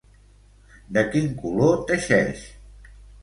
De quin color teixeix?